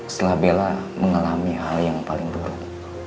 setelah bella mengalami hal yang paling berat